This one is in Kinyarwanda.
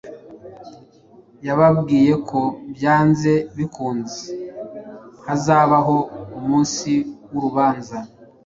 Yababwiye ko byanze bikunze hazabaho umunsi w’urubanza